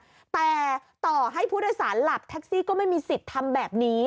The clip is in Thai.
แต่ต่อให้ผู้โดยสารหลับแท็กซี่ก็ไม่มีสิทธิ์ทำแบบนี้